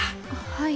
はい。